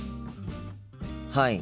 はい。